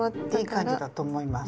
いい感じだと思います。